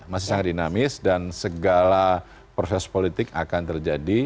masih sangat dinamis dan segala proses politik akan terjadi